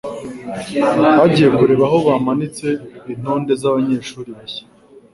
bagiye kureba aho bahanitse intonde z'abanyeshuri bashya